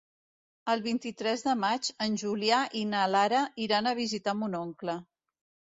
El vint-i-tres de maig en Julià i na Lara iran a visitar mon oncle.